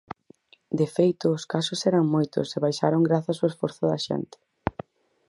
De feito, os casos eran moitos e baixaron grazas ao esforzo da xente.